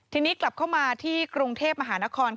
ทีนี้กลับเข้ามาที่กรุงเทพมหานคร